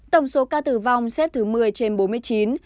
tổng số ca tử vong xếp thứ một mươi trên bốn mươi chín